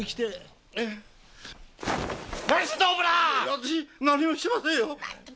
私何もしてませんよ。